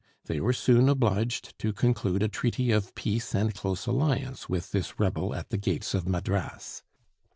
They were soon obliged to conclude a treaty of peace and close alliance with this rebel at the gates of Madras.